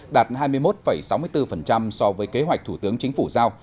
đạt hai mươi một sáu mươi bốn so với kế hoạch thủ tướng chính phủ giao